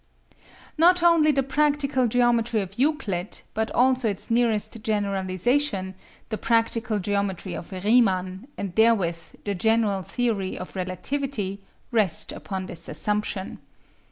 Not only the practical geometry of Euclid, but also its nearest generalisation, the practical geometry of Riemann, and therewith the general theory of relativity, rest upon this assumption.